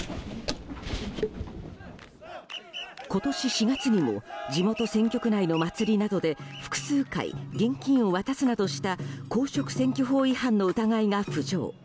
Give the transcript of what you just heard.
今年４月にも地元選挙区内の祭りなどで複数回、現金を渡すなどした公職選挙法違反の疑いが浮上。